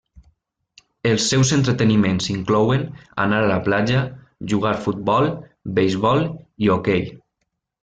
Els seus entreteniments inclouen, anar a la platja, jugar futbol, beisbol i hoquei.